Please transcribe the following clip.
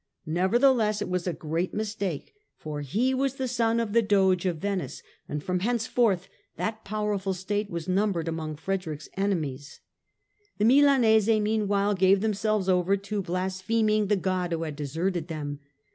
Nevertheless it was a great mistake, for he was the son of the Doge of Venice, and from henceforth that powerful state was numbered among Frederick's enemies. The Milanese meanwhile gave themselves over to blaspheming the God who had deserted them.